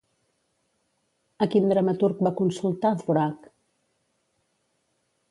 A quin dramaturg va consultar Dvořák?